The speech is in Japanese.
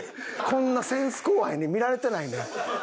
こんなセンス後輩に見られたないねん。